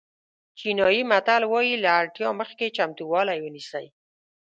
چینایي متل وایي له اړتیا مخکې چمتووالی ونیسئ.